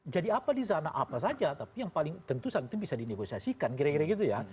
jadi apa di sana apa saja tapi yang paling tentu saat ini bisa didegosiasikan kira kira gitu ya